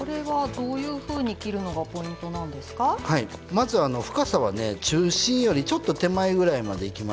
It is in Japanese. まず深さはね中心よりちょっと手前ぐらいまでいきます。